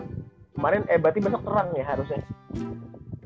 kemarin eh berarti besok terang ya harusnya